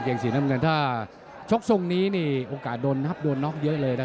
ต้องแจบัยสามกิตซะหน่อยครับ